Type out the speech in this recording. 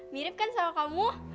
mirip kan sama kamu